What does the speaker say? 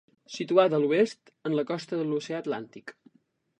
Situada a l'oest, en la costa de l'Oceà Atlàntic.